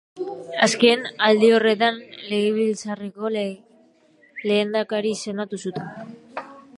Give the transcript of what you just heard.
Azken aldi horretan legebiltzarreko lehendakari izendatu zuten.